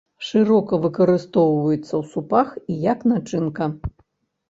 Шырока выкарыстоўваецца ў супах і як начынка.